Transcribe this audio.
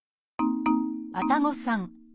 愛宕さん。